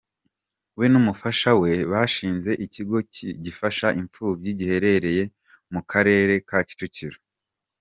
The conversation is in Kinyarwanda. We n’umufasha we bashinze ikigo gifasha imfubyi , giherereye mu Karere ka Kicukiro.